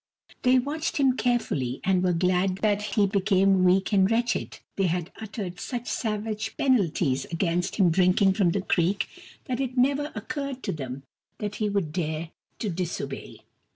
They watched him carefully, and were glad that he be came weak and wretched. They had uttered such savage penalties against drinking from the creek that it never occurred to them that he would dare to disobey.